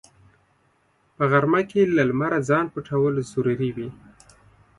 په غرمه کې له لمره ځان پټول ضروري وي